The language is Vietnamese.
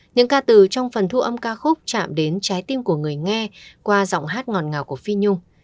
những ca từ trong phần thu âm ca khúc chạm đến trái tim của người nghe qua giọng hát ngọt ngào của phi nhung